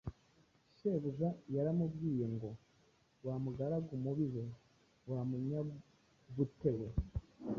shebuja yaramubwiye ngo: "Wa mugaragu mubi we, wa munyabute we